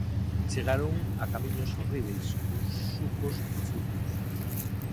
Chegaron a camiños horríbeis, cuns sucos profundos.